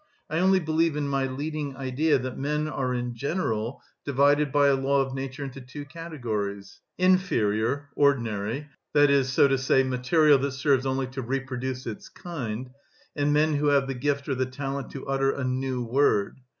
I only believe in my leading idea that men are in general divided by a law of nature into two categories, inferior (ordinary), that is, so to say, material that serves only to reproduce its kind, and men who have the gift or the talent to utter a new word.